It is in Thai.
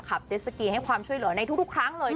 เจสสกีให้ความช่วยเหลือในทุกครั้งเลย